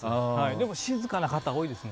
でも静かな方が多いですね。